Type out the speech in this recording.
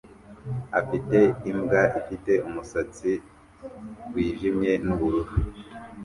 afite imbwa ifite umusatsi wijimye nubururu